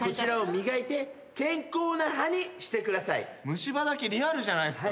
虫歯だけリアルじゃないっすか？